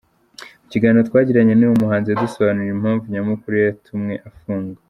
Mu kiganiro twagiranye n’uyu muhanzi yadusobanuriye impamvu nyamukuru yatumye afungwa.